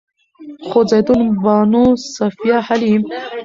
خو زيتون بانو، صفيه حليم